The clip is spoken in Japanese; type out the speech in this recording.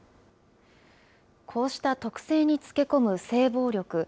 こうした特性につけ込む性暴力。